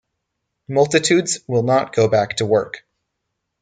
Multitudes will not go back to work.